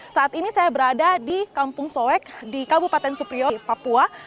saat ini saya berada di kampung soek di kabupaten suprio papua